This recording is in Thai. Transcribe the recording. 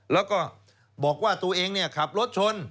แล้วก็บอกว่าตัวเองขับรถชน